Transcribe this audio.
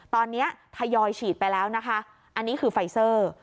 ตอนนี้ทยอยฉีดไปแล้วนะคะอันนี้คือไฟเซอร์